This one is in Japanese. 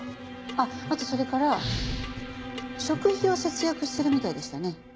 あっあとそれから食費を節約してるみたいでしたね。